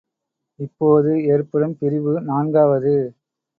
இப்போது ஏற்படும் பிரிவு நான்காவது.